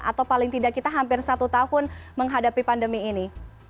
atau paling tidak kita hampir satu tahun menghadapi pandemi ini